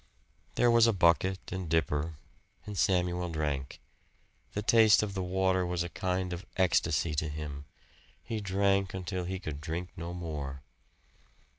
There was a bucket and dipper, and Samuel drank. The taste of the water was a kind of ecstasy to him he drank until he could drink no more.